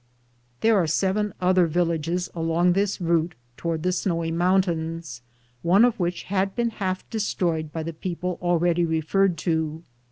There are seven other villages along this route, toward the snowy mountains, one of which has been half destroyed by the people already referred to.